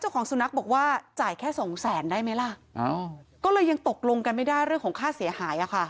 ของสุนัขบอกว่าจ่ายแค่สองแสนได้ไหมล่ะก็เลยยังตกลงกันไม่ได้เรื่องของค่าเสียหายอ่ะค่ะ